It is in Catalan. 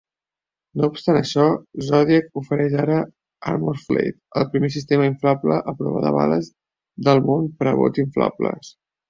No obstant això, Zodiac ofereix ara ArmorFlate, el primer sistema inflable a prova de bales del món per a bots inflables.